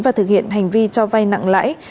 và thực hiện hành vi cho vay nặng lãi